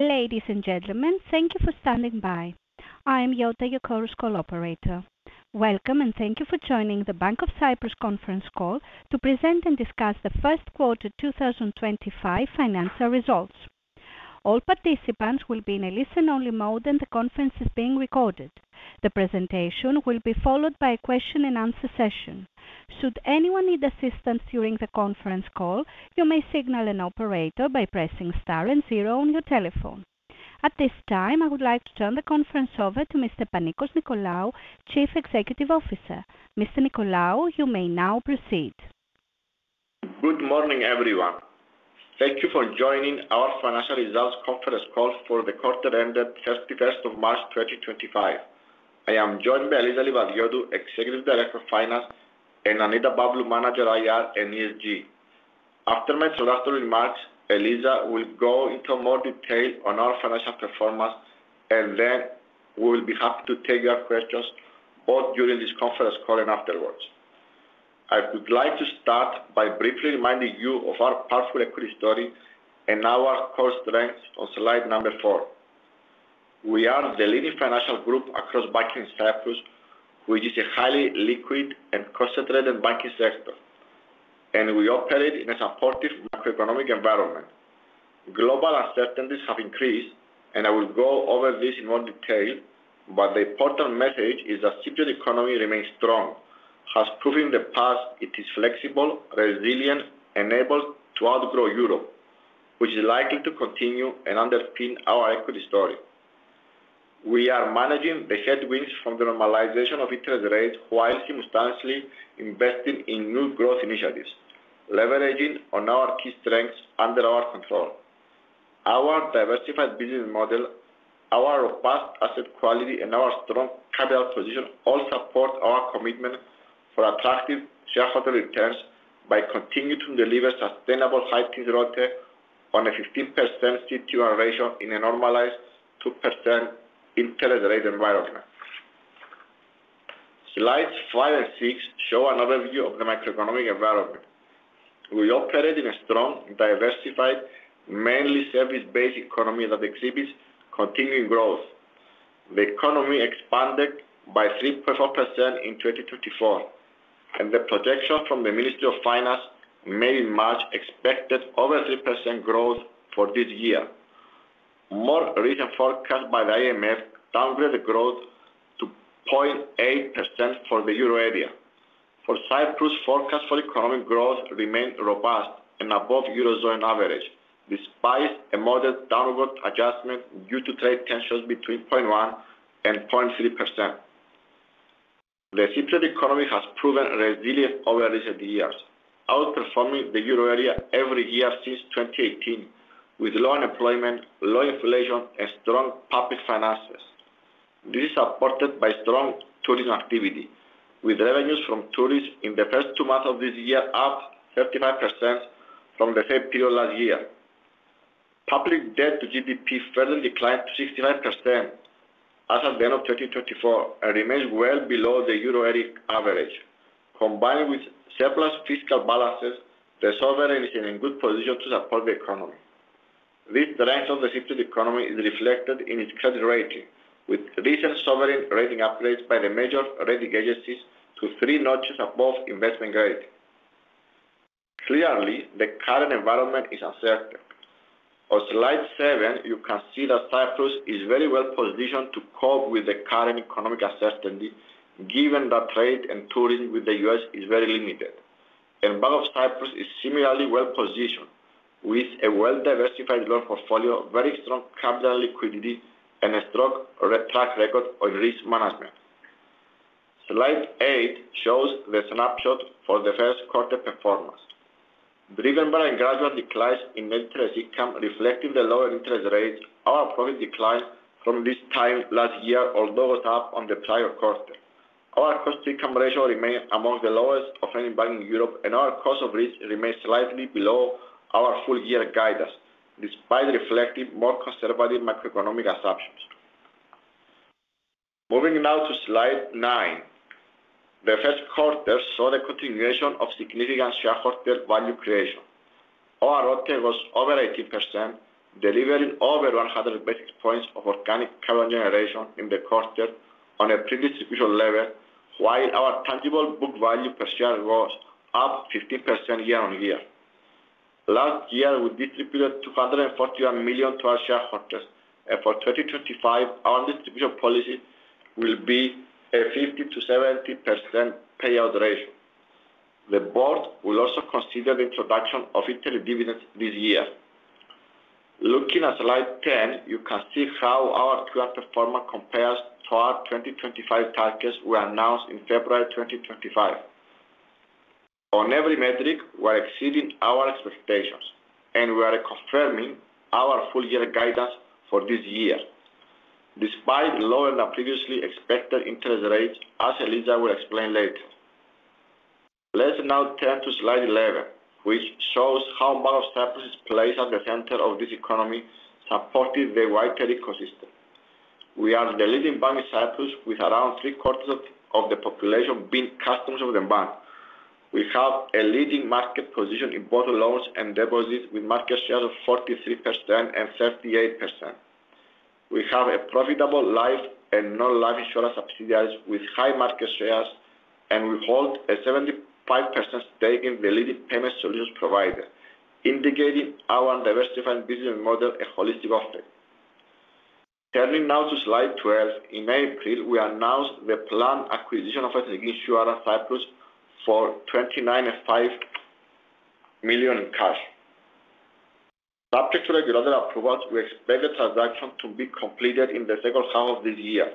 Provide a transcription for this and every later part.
Ladies and gentlemen, thank you for standing by. I am Yota Yokouros, Call Operator. Welcome and thank you for joining the Bank of Cyprus Conference Call to present and discuss the first quarter 2025 financial results. All participants will be in a listen-only mode and the conference is being recorded. The presentation will be followed by a question-and-answer session. Should anyone need assistance during the conference call, you may signal an operator by pressing star and zero on your telephone. At this time, I would like to turn the conference over to Mr. Panicos Nicolaou, Chief Executive Officer. Mr. Nicolaou, you may now proceed. Good morning, everyone. Thank you for joining our financial results conference call for the quarter-ended, 31st of March 2025. I am joined by Eliza Livadiotou, Executive Director of Finance, and Annita Pavlou, Manager IR and ESG. After my introductory remarks, Eliza will go into more detail on our financial performance, and then we will be happy to take your questions both during this conference call and afterwards. I would like to start by briefly reminding you of our powerful equity story and our core strengths on slide number four. We are the leading financial group across banking in Cyprus, which is a highly liquid and concentrated banking sector, and we operate in a supportive macroeconomic environment. Global uncertainties have increased, and I will go over this in more detail, but the important message is that the Cypriot economy remains strong, as proven in the past. It is flexible, resilient, and able to outgrow Europe, which is likely to continue and underpin our equity story. We are managing the headwinds from the normalization of interest rates while simultaneously investing in new growth initiatives, leveraging our key strengths under our control. Our diversified business model, our robust asset quality, and our strong capital position all support our commitment for attractive shareholder returns by continuing to deliver sustainable high-teens ROTE on a 15% CET1 ratio in a normalized 2% interest rate environment. Slides five and six show an overview of the macroeconomic environment. We operate in a strong, diversified, mainly service-based economy that exhibits continuing growth. The economy expanded by 3.4% in 2024, and the projections from the Ministry of Finance made in March expected over 3% growth for this year. More recent forecasts by the IMF downgraded the growth to 0.8% for the euro area. For Cyprus, forecasts for economic growth remain robust and above euro area average, despite a moderate downward adjustment due to trade tensions between 0.1%-0.3%. The Cypriot economy has proven resilient over recent years, outperforming the euro area every year since 2018, with low unemployment, low inflation, and strong public finances. This is supported by strong tourism activity, with revenues from tourism in the first two months of this year up 35% from the same period last year. Public debt to GDP further declined to 65% as of the end of 2024 and remains well below the euro area average. Combined with surplus fiscal balances, the sovereign is in a good position to support the economy. This strength of the Cypriot economy is reflected in its credit rating, with recent sovereign rating upgrades by the major rating agencies to three notches above investment grade. Clearly, the current environment is uncertain. On slide seven, you can see that Cyprus is very well positioned to cope with the current economic uncertainty, given that trade and tourism with the U.S. is very limited. Bank of Cyprus is similarly well positioned, with a well-diversified loan portfolio, very strong capital liquidity, and a strong track record on risk management. Slide eight shows the snapshot for the first quarter performance. Driven by gradual declines in interest income reflecting the lower interest rates, our profit declined from this time last year, although it was up on the prior quarter. Our cost to income ratio remains among the lowest of any bank in Europe, and our cost of risk remains slightly below our full-year guidance, despite reflecting more conservative macroeconomic assumptions. Moving now to slide nine, the first quarter saw the continuation of significant shareholder value creation. Our ROTE was over 18%, delivering over 100 basis points of organic capital generation in the quarter on a pre-distribution level, while our tangible book value per share was up 15% year on year. Last year, we distributed 241 million to our shareholders, and for 2025, our distribution policy will be a 50%-70% payout ratio. The Board will also consider the introduction of interim dividends this year. Looking at slide 10, you can see how our current performance compares to our 2025 targets we announced in February 2025. On every metric, we are exceeding our expectations, and we are confirming our full-year guidance for this year, despite lower than previously expected interest rates, as Eliza will explain later. Let's now turn to slide 11, which shows how Bank of Cyprus is placed at the center of this economy, supporting the wider ecosystem. We are the leading bank in Cyprus, with around three-quarters of the population being customers of the bank. We have a leading market position in both loans and deposits, with market shares of 43% and 38%. We have profitable life and non-life insurance subsidiaries with high market shares, and we hold a 75% stake in the leading payment solutions provider, indicating our diversified business model and holistic offer. Turning now to slide 12, in April, we announced the planned acquisition of Ethniki Insurance Cyprus for 29.5 million in cash. Subject to regulatory approvals, we expect the transaction to be completed in the second half of this year.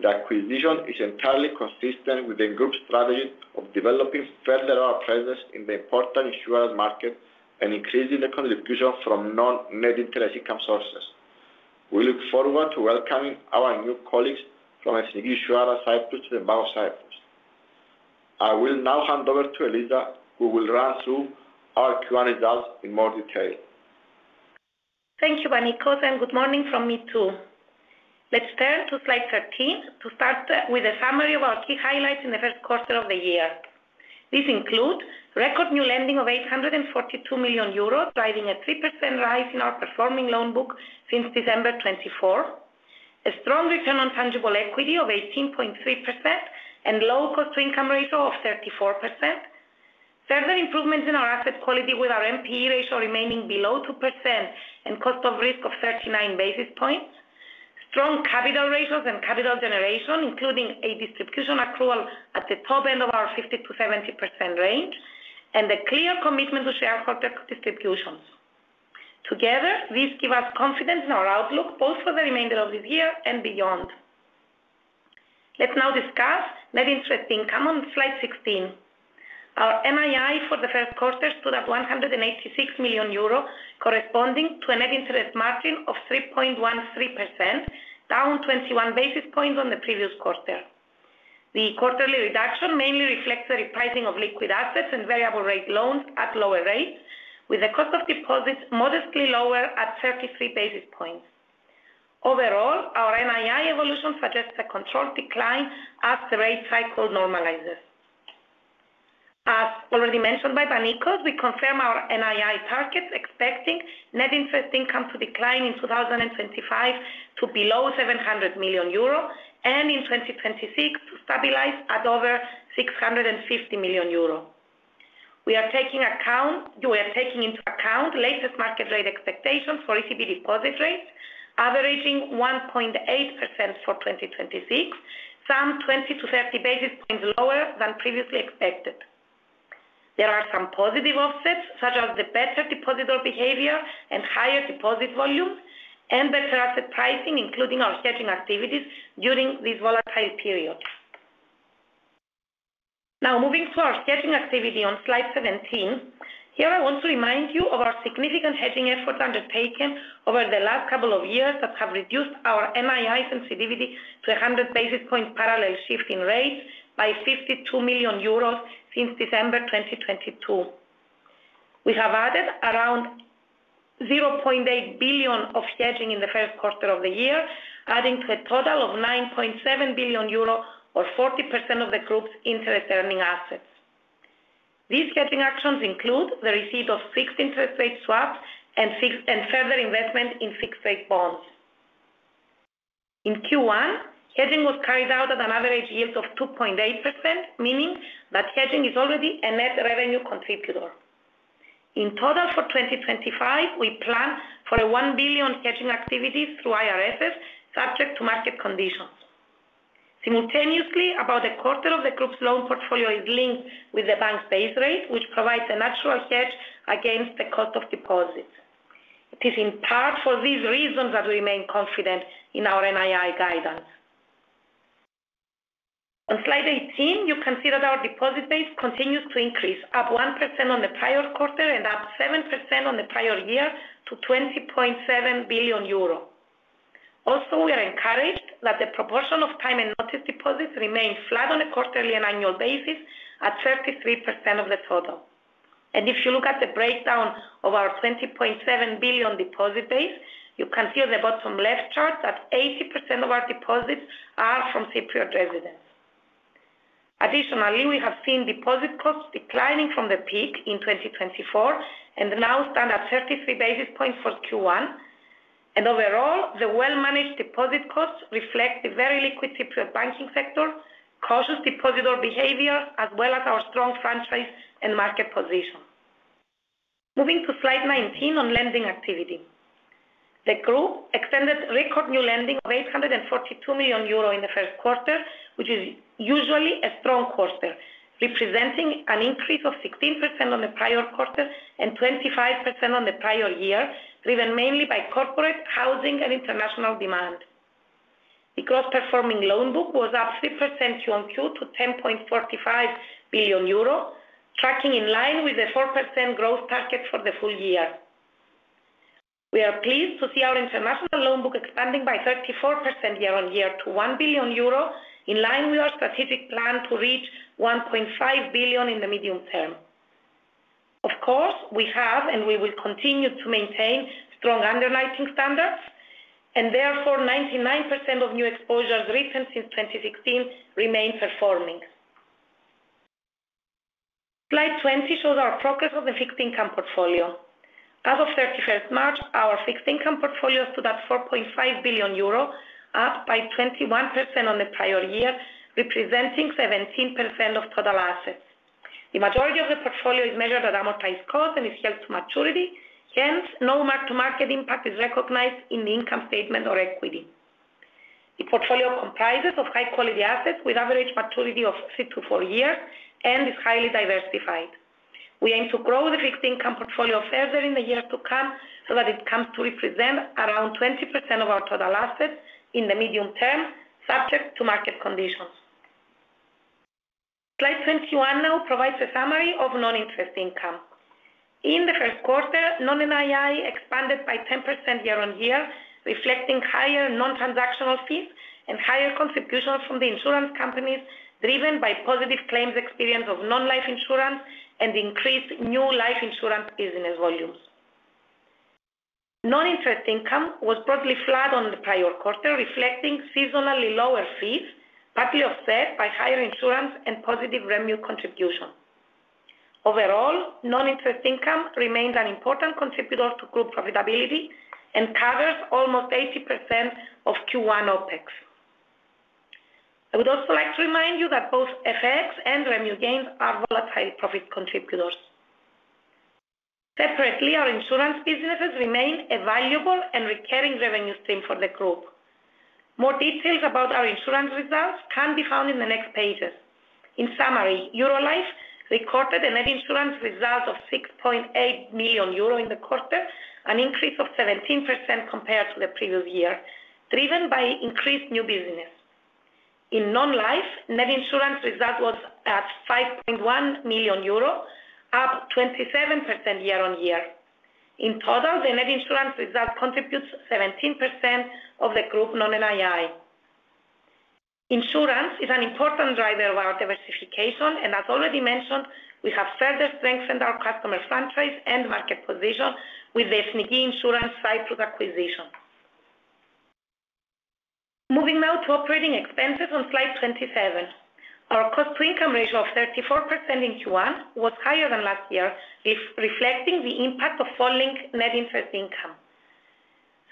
The acquisition is entirely consistent with the group's strategy of developing further our presence in the important insurance market and increasing the contribution from non-net interest income sources. We look forward to welcoming our new colleagues from Ethniki Insurance Cyprus to the Bank of Cyprus. I will now hand over to Eliza, who will run through our Q&A results in more detail. Thank you, Panicos, and good morning from me too. Let's turn to slide 13 to start with a summary of our key highlights in the first quarter of the year. These include record new lending of 842 million euros, driving a 3% rise in our performing loan book since December 2024, a strong return on tangible equity of 18.3%, and low cost to income ratio of 34%. Further improvements in our asset quality, with our NPE ratio remaining below 2% and cost of risk of 39 basis points. Strong capital ratios and capital generation, including a distribution accrual at the top end of our 50%-70% range, and a clear commitment to shareholder distributions. Together, these give us confidence in our outlook both for the remainder of this year and beyond. Let's now discuss net interest income on slide 16. Our NII for the first quarter stood at 186 million euro, corresponding to a net interest margin of 3.13%, down 21 basis points on the previous quarter. The quarterly reduction mainly reflects the repricing of liquid assets and variable-rate loans at lower rates, with the cost of deposits modestly lower at 33 basis points. Overall, our NII evolution suggests a controlled decline as the rate cycle normalizes. As already mentioned by Panicos, we confirm our NII targets, expecting net interest income to decline in 2025 to below 700 million euro and in 2026 to stabilize at over 650 million euro. We are taking into account latest market rate expectations for ECB deposit rates, averaging 1.8% for 2026, some 20-30 basis points lower than previously expected. There are some positive offsets, such as the better depositor behavior and higher deposit volume, and better asset pricing, including our hedging activities during this volatile period. Now, moving to our hedging activity on slide 17, here I want to remind you of our significant hedging efforts undertaken over the last couple of years that have reduced our NII sensitivity to 100 basis points parallel shift in rates by 52 million euros since December 2022. We have added around 800 million of hedging in the first quarter of the year, adding to a total of 9.7 billion euro, or 40% of the group's interest-earning assets. These hedging actions include the receipt of fixed interest rate swaps and further investment in fixed-rate bonds. In Q1, hedging was carried out at an average yield of 2.8%, meaning that hedging is already a net revenue contributor. In total for 2025, we plan for 1 billion hedging activities through IRSs, subject to market conditions. Simultaneously, about a quarter of the group's loan portfolio is linked with the bank's base rate, which provides a natural hedge against the cost of deposits. It is in part for these reasons that we remain confident in our NII guidance. On slide 18, you can see that our deposit base continues to increase, up 1% on the prior quarter and up 7% on the prior year to 20.7 billion euro. Also, we are encouraged that the proportion of time and notice deposits remain flat on a quarterly and annual basis at 33% of the total. If you look at the breakdown of our 20.7 billion deposit base, you can see on the bottom left chart that 80% of our deposits are from Cypriot residents. Additionally, we have seen deposit costs declining from the peak in 2024 and now stand at 33 basis points for Q1. Overall, the well-managed deposit costs reflect the very liquid Cypriot banking sector, cautious depositor behavior, as well as our strong franchise and market position. Moving to slide 19 on lending activity. The group extended record new lending of 842 million euro in the first quarter, which is usually a strong quarter, representing an increase of 16% on the prior quarter and 25% on the prior year, driven mainly by corporate, housing, and international demand. The gross performing loan book was up 3% Q on Q to 10.45 billion euro, tracking in line with the 4% growth target for the full year. We are pleased to see our international loan book expanding by 34% year-on-year to 1 billion euro, in line with our strategic plan to reach 1.5 billion in the medium term. Of course, we have and we will continue to maintain strong underwriting standards, and therefore 99% of new exposures written since 2016 remain performing. Slide 20 shows our progress of the fixed income portfolio. As of 31st March, our fixed income portfolio stood at 4.5 billion euro, up by 21% on the prior year, representing 17% of total assets. The majority of the portfolio is measured at amortized cost and is held to maturity, hence no mark-to-market impact is recognized in the income statement or equity. The portfolio comprises of high-quality assets with average maturity of three to four years and is highly diversified. We aim to grow the fixed income portfolio further in the years to come so that it comes to represent around 20% of our total assets in the medium term, subject to market conditions. Slide 21 now provides a summary of non-interest income. In the first quarter, non-NII expanded by 10% year on year, reflecting higher non-transactional fees and higher contributions from the insurance companies, driven by positive claims experience of non-life insurance and increased new life insurance business volumes. Non-interest income was broadly flat on the prior quarter, reflecting seasonally lower fees, partly offset by higher insurance and positive revenue contribution. Overall, non-interest income remains an important contributor to group profitability and covers almost 80% of Q1 OpEx. I would also like to remind you that both FX and revenue gains are volatile profit contributors. Separately, our insurance businesses remain a valuable and recurring revenue stream for the group. More details about our insurance results can be found in the next pages. In summary, Eurolife recorded a net insurance result of 6.8 million euro in the quarter, an increase of 17% compared to the previous year, driven by increased new business. In non-life, net insurance result was at 5.1 million euro, up 27% year on year. In total, the net insurance result contributes 17% of the group non-NII. Insurance is an important driver of our diversification, and as already mentioned, we have further strengthened our customer franchise and market position with the Ethniki Insurance Cyprus acquisition. Moving now to operating expenses on slide 27. Our cost to income ratio of 34% in Q1 was higher than last year, reflecting the impact of falling net interest income.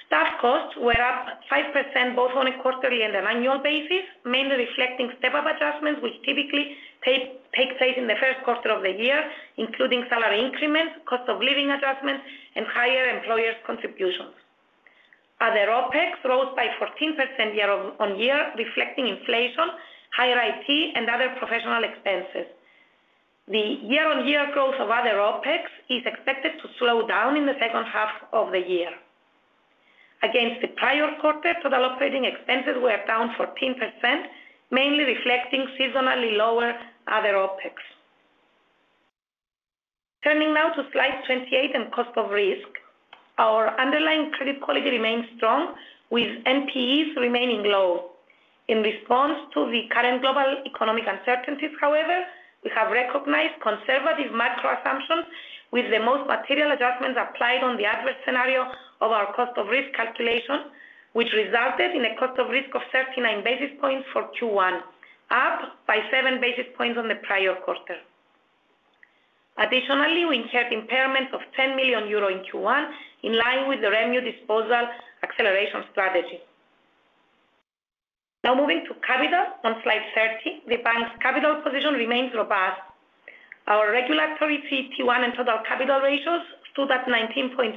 Staff costs were up 5% both on a quarterly and an annual basis, mainly reflecting step-up adjustments, which typically take place in the first quarter of the year, including salary increments, cost of living adjustments, and higher employers' contributions. Other OpEx rose by 14% year-on-year, reflecting inflation, higher IT, and other professional expenses. The year-on-year growth of other OpEx is expected to slow down in the second half of the year. Against the prior quarter, total operating expenses were down 14%, mainly reflecting seasonally lower other OpEx. Turning now to slide 28 and cost of risk, our underlying credit quality remains strong, with NPEs remaining low. In response to the current global economic uncertainties, however, we have recognized conservative macro assumptions, with the most material adjustments applied on the adverse scenario of our cost of risk calculation, which resulted in a cost of risk of 39 basis points for Q1, up by 7 basis points on the prior quarter. Additionally, we incurred impairments of 10 million euro in Q1, in line with the revenue disposal acceleration strategy. Now moving to capital on slide 30, the bank's capital position remains robust. Our regulatory Tier 1 and total capital ratios stood at 19.7%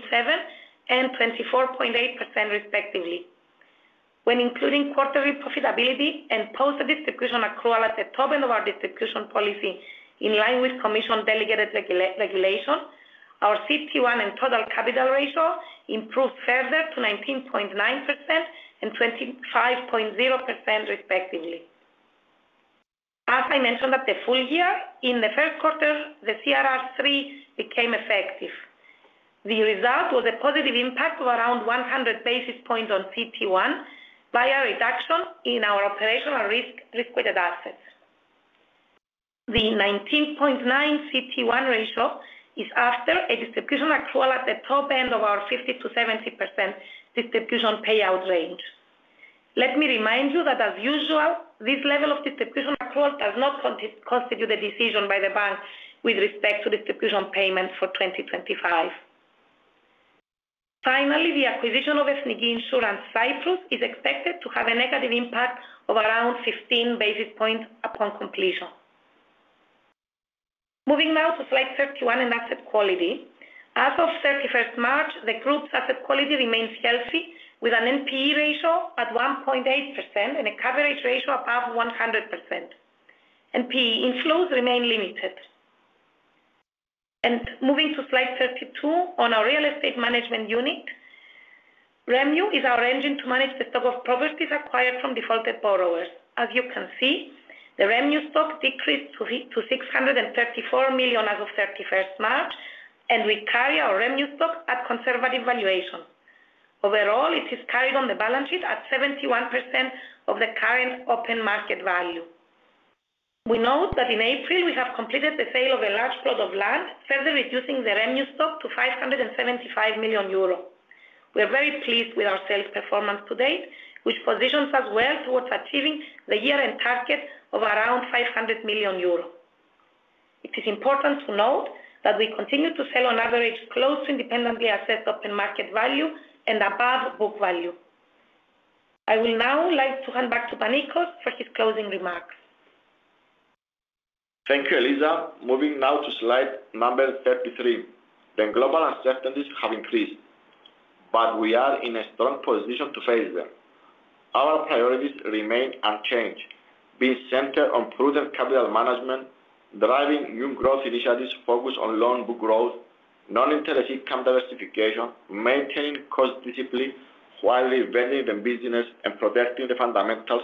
and 24.8%, respectively. When including quarterly profitability and post-distribution accrual at the top end of our distribution policy, in line with Commission-delegated regulation, our CET1 and total capital ratio improved further to 19.9% and 25.0%, respectively. As I mentioned at the full year, in the first quarter, the CRR3 became effective. The result was a positive impact of around 100 basis points on CET1 via reduction in our operational risk-weighted assets. The 19.9% CET1 ratio is after a distribution accrual at the top end of our 50%-70% distribution payout range. Let me remind you that, as usual, this level of distribution accrual does not constitute a decision by the bank with respect to distribution payments for 2025. Finally, the acquisition of Efsnighi Insurance Cyprus is expected to have a negative impact of around 15 basis points upon completion. Moving now to slide 31 and asset quality. As of 31st March, the group's asset quality remains healthy, with an NPE ratio at 1.8% and a coverage ratio above 100%. NPE inflows remain limited. Moving to slide 32, on our real estate management unit, revenue is our engine to manage the stock of properties acquired from defaulted borrowers. As you can see, the revenue stock decreased to 634 million as of 31st March, and we carry our revenue stock at conservative valuations. Overall, it is carried on the balance sheet at 71% of the current open market value. We note that in April, we have completed the sale of a large plot of land, further reducing the revenue stock to 575 million euro. We are very pleased with our sales performance to date, which positions us well towards achieving the year-end target of around 500 million euro. It is important to note that we continue to sell on average close to independently assessed open market value and above book value. I would now like to hand back to Panicos for his closing remarks. Thank you, Eliza. Moving now to slide number 33. The global uncertainties have increased, but we are in a strong position to face them. Our priorities remain unchanged, being centered on prudent capital management, driving new growth initiatives focused on loan book growth, non-interest income diversification, maintaining cost discipline while revenuing the business and protecting the fundamentals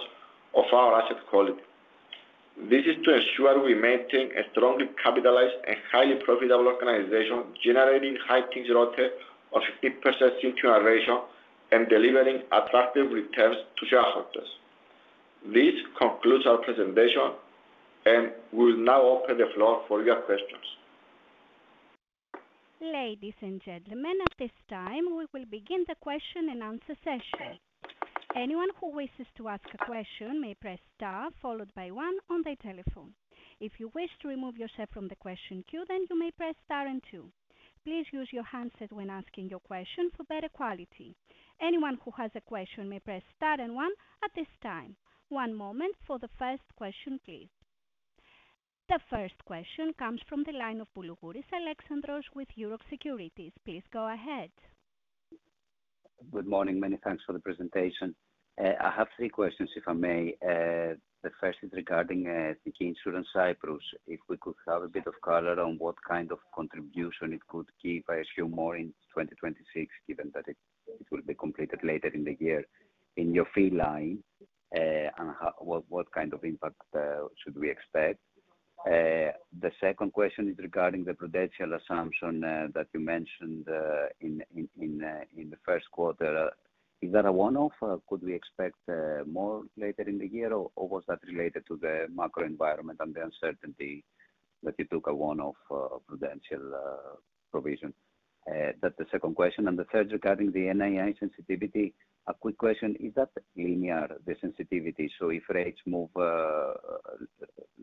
of our asset quality. This is to ensure we maintain a strongly capitalized and highly profitable organization, generating high-tinged ROTE of 50% CET1 ratio and delivering attractive returns to shareholders. This concludes our presentation, and we will now open the floor for your questions. Ladies and gentlemen, at this time, we will begin the question-and-answer session. Anyone who wishes to ask a question may press star followed by one on their telephone. If you wish to remove yourself from the question queue, then you may press star and two. Please use your handset when asking your question for better quality. Anyone who has a question may press star and one at this time. One moment for the first question, please. The first question comes from the line of Alexandros Boulougouris with Euroxx Securities. Please go ahead. Good morning. Many thanks for the presentation. I have three questions, if I may. The first is regarding Ethniki Insurance Cyprus. If we could have a bit of color on what kind of contribution it could give, I assume more in 2026, given that it will be completed later in the year, in your fee line and what kind of impact should we expect? The second question is regarding the prudential assumption that you mentioned in the first quarter. Is that a one-off, or could we expect more later in the year, or was that related to the macro environment and the uncertainty that you took a one-off prudential provision? That is the second question. And the third regarding the NII sensitivity, a quick question. Is that linear, the sensitivity? If rates move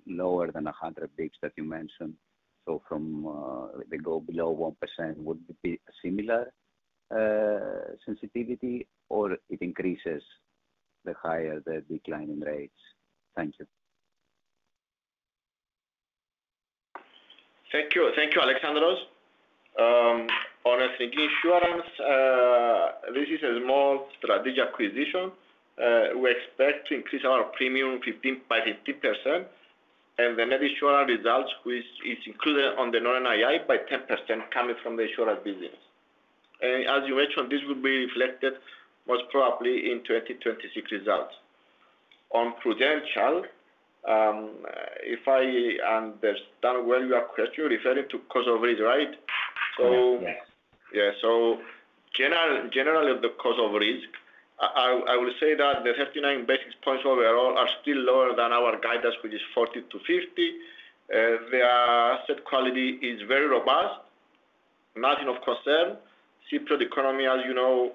lower than 100 basis points that you mentioned, so if they go below 1%, would it be a similar sensitivity, or does it increase the higher the decline in rates? Thank you. Thank you. Thank you, Alexandros. On Ethniki Insurance, this is a small strategic acquisition. We expect to increase our premium by 15%, and the net insurance results, which is included on the non-NII, by 10% coming from the insurance business. As you mentioned, this will be reflected most probably in 2026 results. On prudential, if I understand well your question, you are referring to cost of risk, right? Yes. Yeah. Generally, on the cost of risk, I will say that the 39 basis points overall are still lower than our guidance, which is 40-50. The asset quality is very robust, nothing of concern. Cyprus economy, as you know,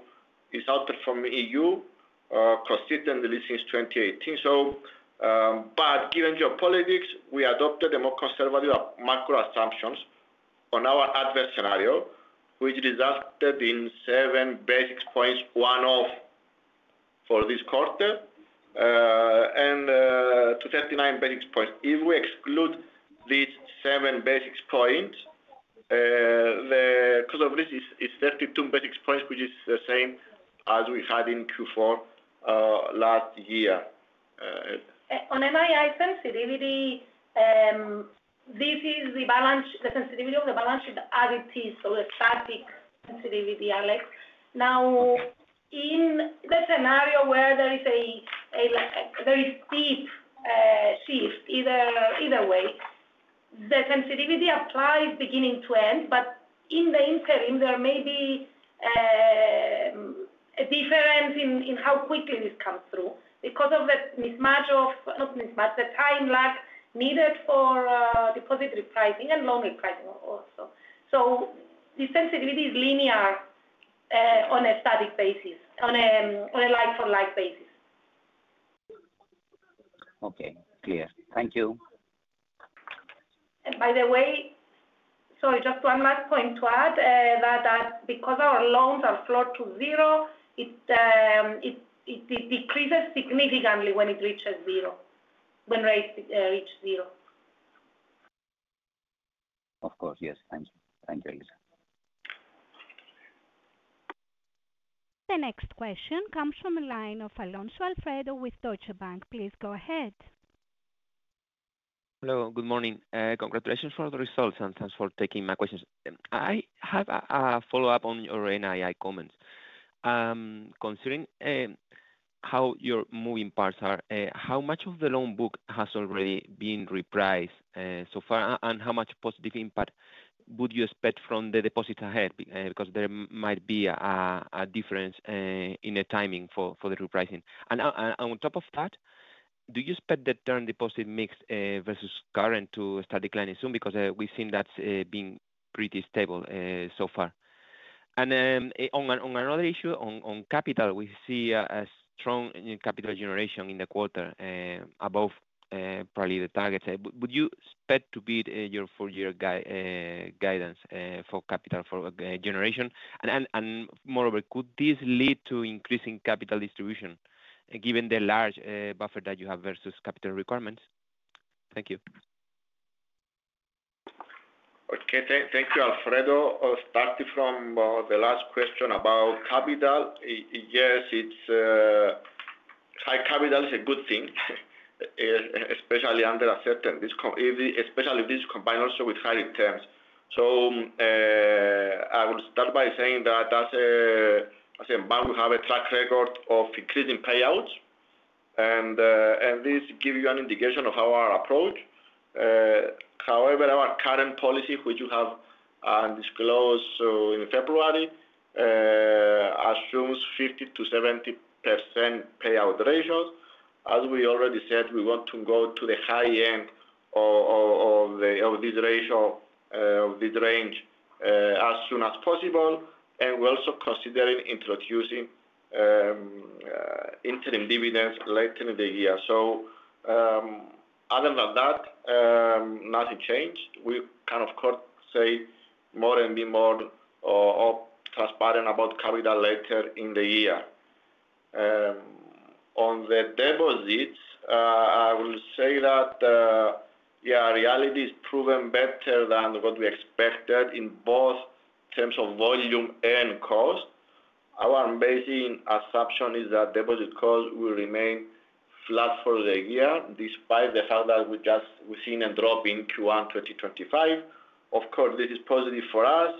is outperforming EU, consistently since 2018. Given geopolitics, we adopted the more conservative macro assumptions on our adverse scenario, which resulted in seven basis points one-off for this quarter and to 39 basis points. If we exclude these seven basis points, the cost of risk is 32 basis points, which is the same as we had in Q4 last year. On NII sensitivity, this is the sensitivity of the balance sheet as it is, so the static sensitivity, Alex. In the scenario where there is a very steep shift, either way, the sensitivity applies beginning to end, but in the interim, there may be a difference in how quickly this comes through because of the mismatch of, not mismatch, the time lag needed for deposit repricing and loan repricing also. The sensitivity is linear on a static basis, on a like-for-like basis. Okay. Clear. Thank you. By the way, sorry, just one last point to add, that because our loans are floored to zero, it decreases significantly when it reaches zero, when rates reach zero. Of course. Yes. Thank you. Thank you, Eliza. The next question comes from a line of Alonso, Alfredo with Deutsche Bank. Please go ahead. Hello. Good morning. Congratulations for the results, and thanks for taking my questions. I have a follow-up on your NII comments. Considering how your moving parts are, how much of the loan book has already been repriced so far, and how much positive impact would you expect from the deposits ahead? There might be a difference in the timing for the repricing. On top of that, do you expect the term deposit mix versus current to start declining soon? We have seen that has been pretty stable so far. On another issue, on capital, we see a strong capital generation in the quarter, above probably the targets. Would you expect to beat your four-year guidance for capital generation? Moreover, could this lead to increasing capital distribution, given the large buffer that you have versus capital requirements? Thank you. Okay. Thank you, Alfredo. Starting from the last question about capital, yes, high capital is a good thing, especially under a certain risk, especially if this is combined also with high returns. I will start by saying that as a bank, we have a track record of increasing payouts, and this gives you an indication of our approach. However, our current policy, which you have disclosed in February, assumes 50%-70% payout ratio. As we already said, we want to go to the high end of this ratio, of this range, as soon as possible. We're also considering introducing interim dividends later in the year. Other than that, nothing changed. We can, of course, say more and be more transparent about capital later in the year. On the deposits, I will say that, yeah, reality has proven better than what we expected in both terms of volume and cost. Our basic assumption is that deposit cost will remain flat for the year, despite the fact that we've seen a drop in Q1 2025. Of course, this is positive for us,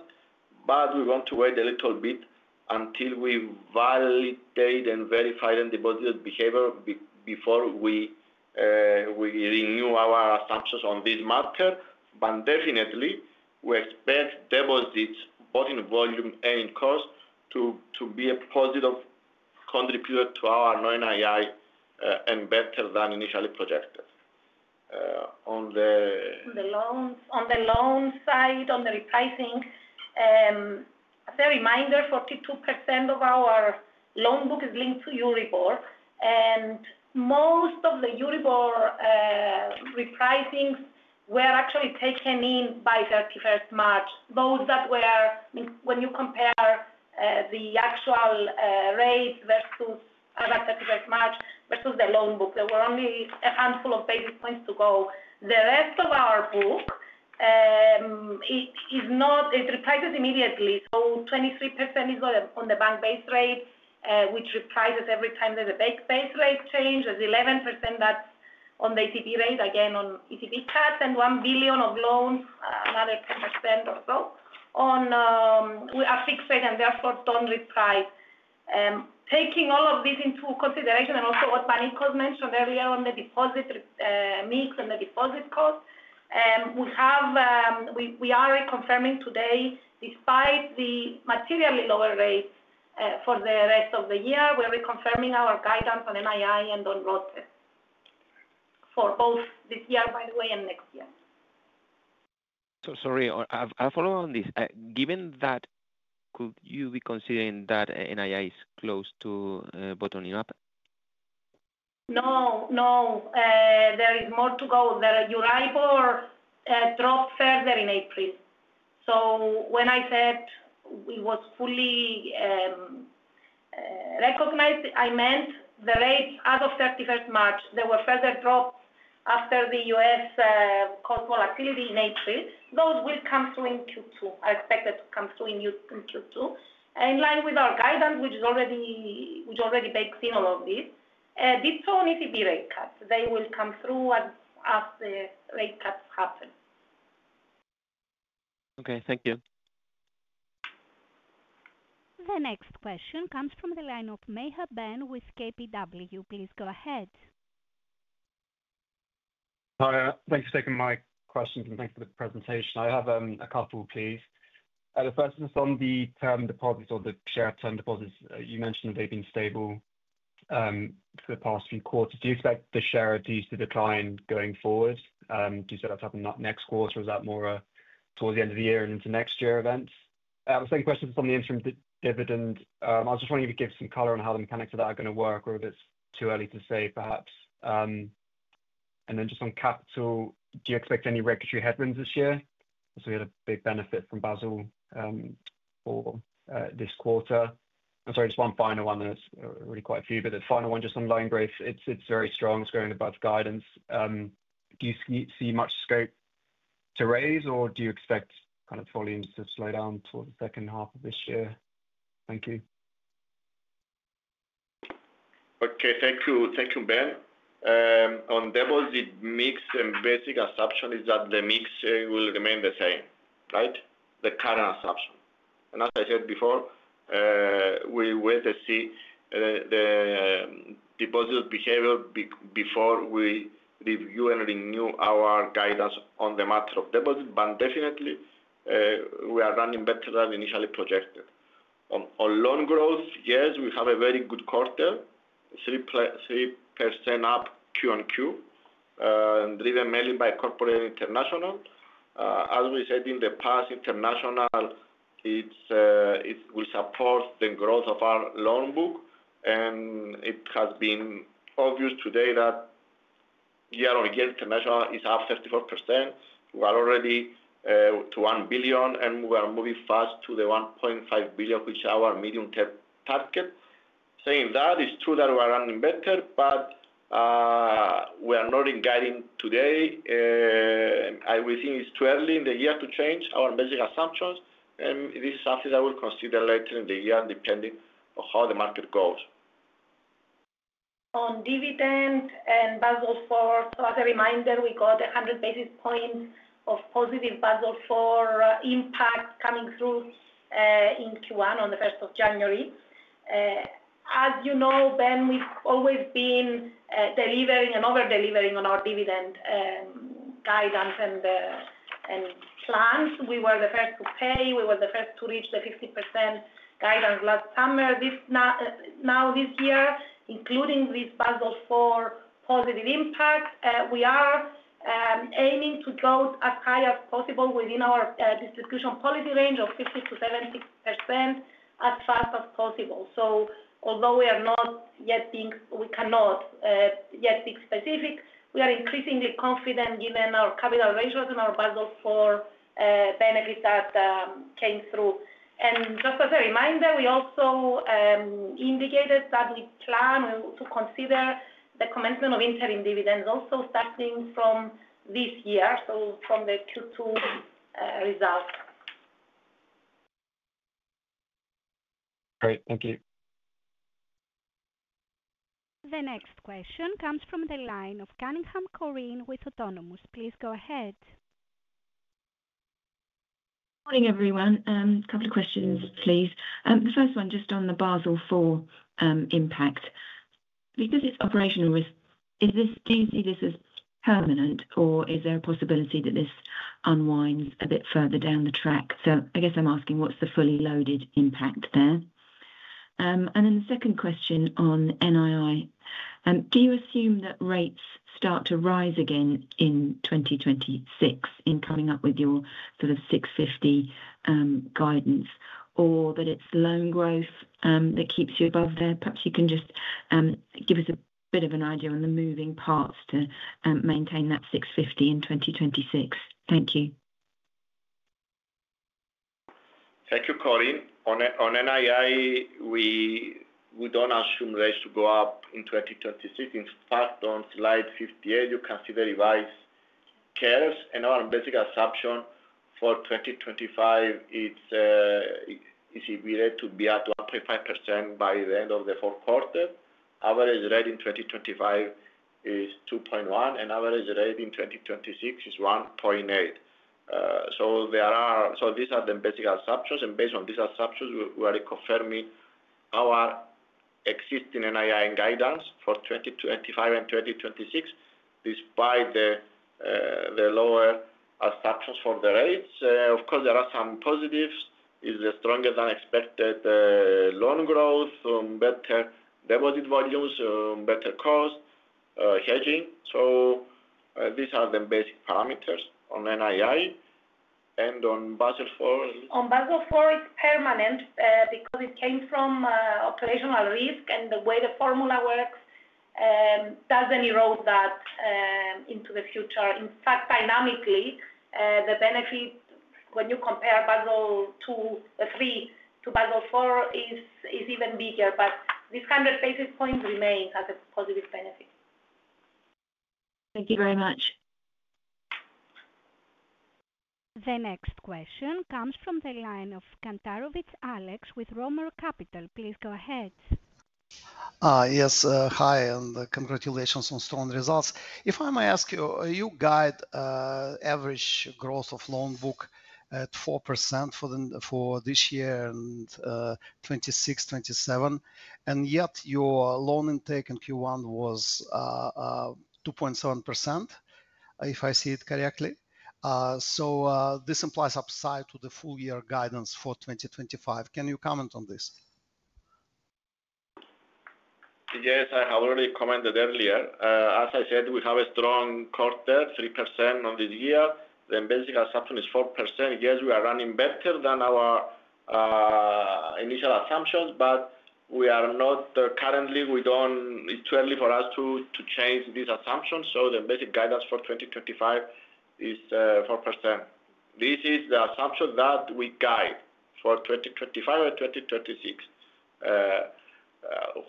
but we want to wait a little bit until we validate and verify the deposit behavior before we renew our assumptions on this market. Definitely, we expect deposits, both in volume and in cost, to be a positive contributor to our non-NII and better than initially projected. On the loans side, on the repricing, as a reminder, 42% of our loan book is linked to Euribor, and most of the Euribor repricings were actually taken in by 31st March. Those that were, when you compare the actual rate versus as of 31st March versus the loan book, there were only a handful of basis points to go. The rest of our book, it reprices immediately. 23% is on the bank base rate, which reprices every time there is a base rate change. 11% is on the ECB rate, again on ECB cuts, and 1 billion of loans, another 10% or so, are fixed rate and therefore do not reprice. Taking all of this into consideration, and also what Panicos mentioned earlier on the deposit mix and the deposit cost, we are reconfirming today, despite the materially lower rates for the rest of the year, we're reconfirming our guidance on NII and on ROTE for both this year, by the way, and next year. Sorry, I'll follow on this. Given that, could you be considering that NII is close to bottoming up? No. No. There is more to go. The Euribor dropped further in April. When I said it was fully recognized, I meant the rates as of 31 March. They were further dropped after the U.S. cost volatility in April. Those will come through in Q2, are expected to come through in Q2. In line with our guidance, which already bakes in all of this, this is on ECB rate cuts. They will come through as the rate cuts happen. Okay. Thank you. The next question comes from the line of Maher, Ben with KBW. Please go ahead. Hi. Thanks for taking my questions, and thanks for the presentation. I have a couple, please. The first is on the term deposits or the share term deposits. You mentioned that they've been stable for the past few quarters. Do you expect the share to decline going forward? Do you expect that to happen next quarter, or is that more towards the end of the year and into next year events? The same question from the interim dividend. I was just wondering if you could give some color on how the mechanics of that are going to work, or if it's too early to say, perhaps. And then just on capital, do you expect any regulatory headwinds this year? We had a big benefit from Basel IV for this quarter. I'm sorry, just one final one. There's really quite a few, but the final one just on loan growth, it's very strong. It's going above guidance. Do you see much scope to raise, or do you expect kind of volumes to slow down towards the second half of this year? Thank you. Thank you, Ben. On deposit mix, the basic assumption is that the mix will remain the same, right? The current assumption. As I said before, we wait to see the deposit behavior before we review and renew our guidance on the matter of deposits. Definitely, we are running better than initially projected. On loan growth, yes, we have a very good quarter, 3% up Q on Q, driven mainly by Corporate International. As we said in the past, International will support the growth of our loan book, and it has been obvious today that year-on-year International is up 34%. We are already to 1 billion, and we are moving fast to the 1.5 billion, which is our medium-term target. Saying that, it's true that we are running better, but we are not in guiding today. We think it's too early in the year to change our basic assumptions, and this is something that we'll consider later in the year depending on how the market goes. On dividend and Basel IV, as a reminder, we got 100 basis points of positive Basel IV impact coming through in Q1 on the 1st of January. As you know, Ben, we've always been delivering and over-delivering on our dividend guidance and plans. We were the first to pay. We were the first to reach the 50% guidance last summer. Now this year, including this Basel IV positive impact, we are aiming to go as high as possible within our distribution policy range of 50%-70% as fast as possible. Although we are not yet being, we cannot yet be specific, we are increasingly confident given our capital ratios and our Basel IV benefits that came through. Just as a reminder, we also indicated that we plan to consider the commencement of interim dividends also starting from this year, from the Q2 results. Great. Thank you. The next question comes from the line of Cunningham, Corinne with Autonomous. Please go ahead. Good morning, everyone. A couple of questions, please. The first one just on the Basel IV impact. Because it's operational risk, do you see this as permanent, or is there a possibility that this unwinds a bit further down the track? I guess I'm asking what's the fully loaded impact there. The second question on NII. Do you assume that rates start to rise again in 2026 in coming up with your sort of 650 million guidance, or that it's loan growth that keeps you above there? Perhaps you can just give us a bit of an idea on the moving parts to maintain that 650 million in 2026. Thank you. Thank you, Corinne. On NII, we don't assume rates to go up in 2026. In fact, on slide 58, you can see the revised curves. Our basic assumption for 2025 is it's easier to be at 1.5% by the end of the fourth quarter. Average rate in 2025 is 2.1, and average rate in 2026 is 1.8. These are the basic assumptions. Based on these assumptions, we are confirming our existing NII guidance for 2025 and 2026, despite the lower assumptions for the rates. Of course, there are some positives. It is stronger than expected loan growth, better deposit volumes, better cost, hedging. These are the basic parameters on NII. On Basel IV? On Basel IV, it is permanent because it came from operational risk, and the way the formula works does not erode that into the future. In fact, dynamically, the benefit when you compare Basel II to III to Basel IV is even bigger. This 100 basis points remains as a positive benefit. Thank you very much. The next question comes from the line of Kantarovich, Alex with Roemer Capital. Please go ahead. Yes. Hi, and congratulations on strong results. If I may ask you, you guide average growth of loan book at 4% for this year and 2026, 2027, and yet your loan intake in Q1 was 2.7%, if I see it correctly. This implies upside to the full-year guidance for 2025. Can you comment on this? Yes. I already commented earlier. As I said, we have a strong quarter, 3% on this year. The basic assumption is 4%. Yes, we are running better than our initial assumptions, but we are not currently, we do not, it is too early for us to change these assumptions. The basic guidance for 2025 is 4%. This is the assumption that we guide for 2025 and 2026,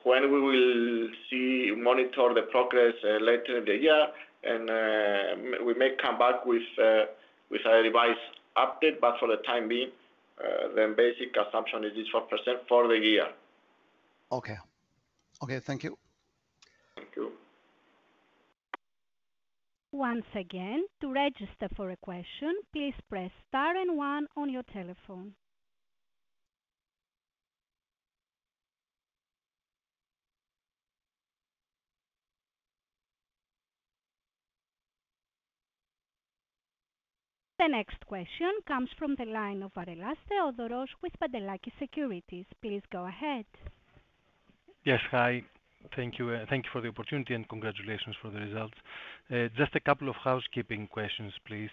when we will see, monitor the progress later in the year, and we may come back with a revised update. For the time being, the basic assumption is this 4% for the year. Okay. Okay. Thank you. Thank you. Once again, to register for a question, please press star and one on your telephone. The next question comes from the line of Varelas, Theodore with Pantelakis Securities. Please go ahead. Yes. Hi. Thank you. Thank you for the opportunity, and congratulations for the results. Just a couple of housekeeping questions, please.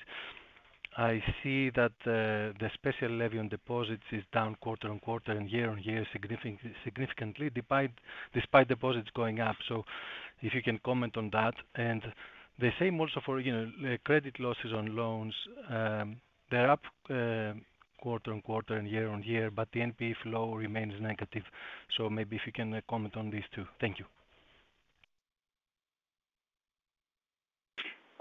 I see that the special levy on deposits is down quarter on quarter and year on year significantly, despite deposits going up. If you can comment on that. The same also for credit losses on loans. They are up quarter on quarter and year-on-year, but the NP flow remains negative. Maybe if you can comment on these two. Thank you.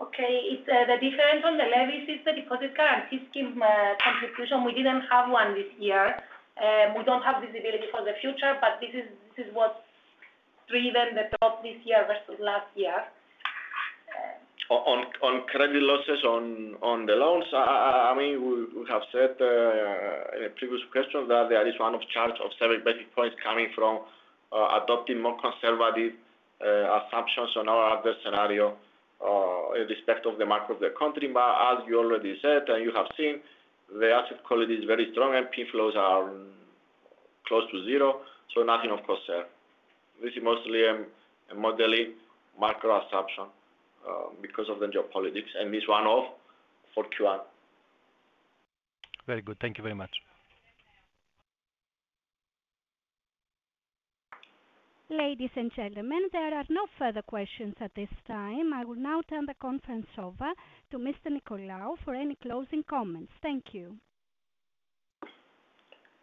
Okay. The difference on the levy is the deposit guarantee scheme contribution. We did not have one this year. We don't have visibility for the future, but this is what's driven the top this year versus last year. On credit losses on the loans, I mean, we have said in a previous question that there is a one-off charge of seven basis points coming from adopting more conservative assumptions on our other scenario in respect of the macro of the country. But as you already said and you have seen, the asset quality is very strong, and NPE flows are close to zero. So nothing of concern. This is mostly a modeling macro assumption because of the geopolitics, and it's one-off for Q1. Very good. Thank you very much. Ladies and gentlemen, there are no further questions at this time. I will now turn the conference over to Mr. Nicolaou for any closing comments. Thank you.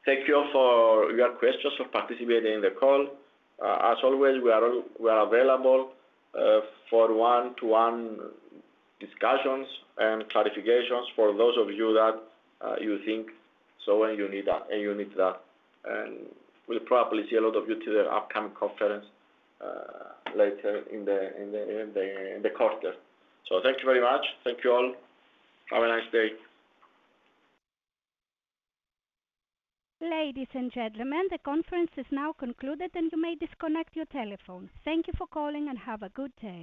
Thank you for your questions, for participating in the call. As always, we are available for one-to-one discussions and clarifications for those of you that you think so and you need that. We will probably see a lot of you at the upcoming conference later in the quarter. Thank you very much. Thank you all. Have a nice day. Ladies and gentlemen, the conference is now concluded, and you may disconnect your telephone. Thank you for calling, and have a good day.